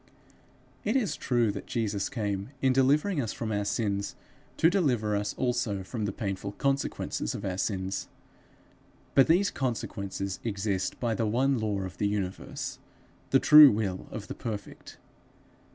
It is true that Jesus came, in delivering us from our sins, to deliver us also from the painful consequences of our sins. But these consequences exist by the one law of the universe, the true will of the Perfect.